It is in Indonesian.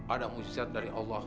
ada muzizat dari allah